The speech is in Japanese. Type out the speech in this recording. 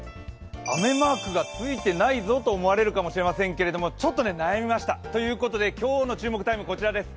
雨マークがついてないぞと思われるかもしれませんが、ちょっと悩みました、ということで今日の注目タイムはこちらです。